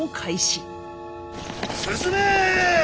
進め！